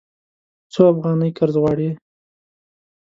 څو افغانۍ قرض غواړې؟